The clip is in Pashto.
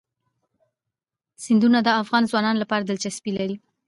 سیندونه د افغان ځوانانو لپاره دلچسپي لري.